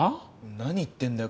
何言ってんだよ